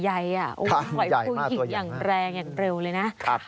ค่ะใหญ่มากตัวอย่างมากค่ะค่ะค่ะค่ะค่ะค่ะ